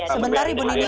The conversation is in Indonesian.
sebentar bu nini